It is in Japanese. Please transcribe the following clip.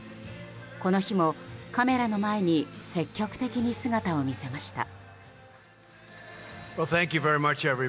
この日もカメラの前に積極的に姿を見せました。